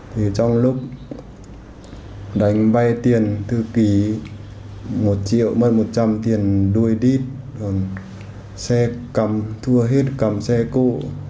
trong lúc đánh bay tiền thư ký một triệu mất một trăm linh tiền đuôi đít xe cầm thua hết cầm xe cộ